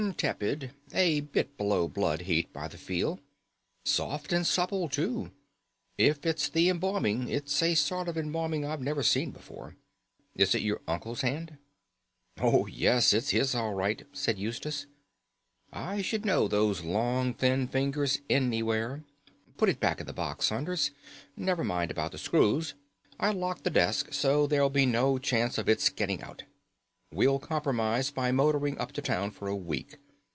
"Tepid. A bit below blood heat by the feel. Soft and supple too. If it's the embalming, it's a sort of embalming I've never seen before. Is it your uncle's hand?" "Oh, yes, it's his all right," said Eustace. "I should know those long thin fingers anywhere. Put it back in the box, Saunders. Never mind about the screws. I'll lock the desk, so that there'll be no chance of its getting out. We'll compromise by motoring up to town for a week.